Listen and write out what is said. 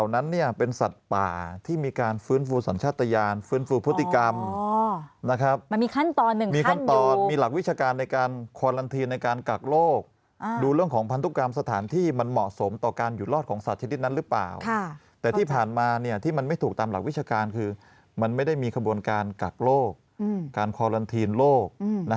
นั้นเนี่ยเป็นสัตว์ป่าที่มีการฟื้นฟูสัญชาติยานฟื้นฟูพฤติกรรมนะครับมันมีขั้นตอนหนึ่งมีขั้นตอนมีหลักวิชาการในการคอลันทีนในการกักโรคดูเรื่องของพันธุกรรมสถานที่มันเหมาะสมต่อการหยุดรอดของสัตว์ชนิดนั้นหรือเปล่าแต่ที่ผ่านมาที่มันไม่ถูกตามหลักวิชาการคือมันไม่ได้มีขบวนการกักโลกการคอลันทีนโลก